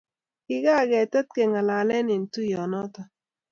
kikakitet kengalale eng tuiyonoto